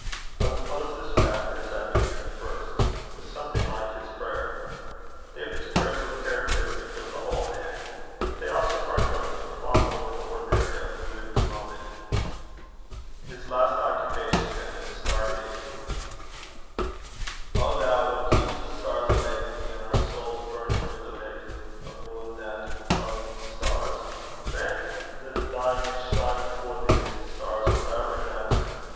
I will close this chapter, as I began the first, with something like his prayer. David's prayers were characteristic of the whole man; but they also partook, in far more than ordinary, of the mood of the moment. His last occupation had been star gazing: "O thou, wha keeps the stars alicht, an' our souls burnin' wi' a licht aboon that o' the stars, grant that they may shine afore thee as the stars for ever and ever.